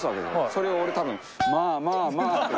それを俺多分「まあまあまあ」って。